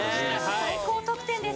最高得点です。